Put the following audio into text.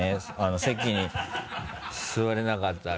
席に座れなかったら。